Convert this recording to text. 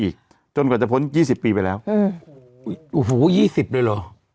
อีกจนกว่าจะผลยี่สิบปีไปแล้วอืมอูหูยี่สิบเลยหรอ